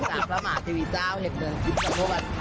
จากพระมหาเทวีเจ้าเห็ดเมืองทิพย์สำโลกรัมค่ะ